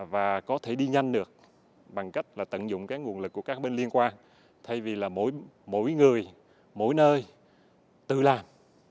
và có thể đi nhanh được bằng cách là tận dụng cái nguồn lực của các bên liên quan thay vì là mỗi người mỗi nơi tự làm